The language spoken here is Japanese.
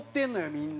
みんな。